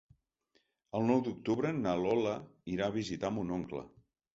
El nou d'octubre na Lola irà a visitar mon oncle.